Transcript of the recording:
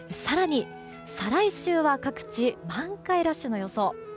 更に、再来週は各地満開ラッシュの予想。